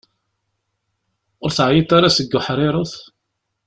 Ur teɛyiḍ ara seg uḥṛiṛet?